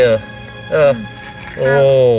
เออโอ้